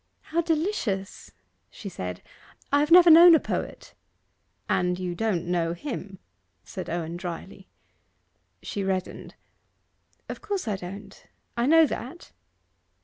'How delicious!' she said. 'I have never known a poet.' 'And you don't know him,' said Owen dryly. She reddened. 'Of course I don't. I know that.